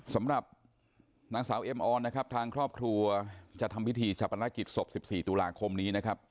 สำหรับนางสาวเอ็มออนนะครับทางครอบครัวจะทำพิธีชาปนกิจศพ๑๔ตุลาคมนี้นะครับ